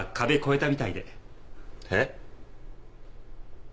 えっ？